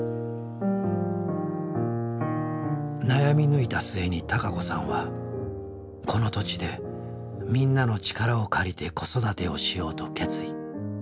悩み抜いた末に孝子さんはこの土地でみんなの力を借りて子育てをしようと決意。